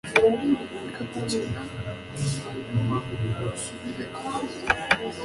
reka gukina hanyuma usubire kukazi